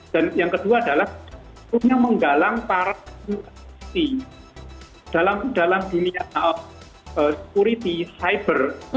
dan yang kedua adalah punya menggalang para pemerintah di dalam dunia security cyber